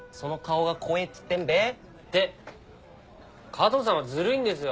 加藤さんはずるいんですよ。